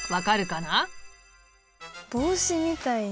帽子みたいな。